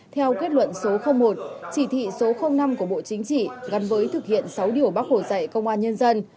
theo kết luận số một chỉ thị số năm của bộ chính trị gắn với thực hiện sáu điều bác hồ dạy công an nhân dân